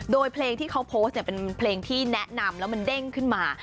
โดยเพลงที่เขาโพสต์เนี่ยเป็นเพลงที่แนะนำแล้วมันเด้งขึ้นมา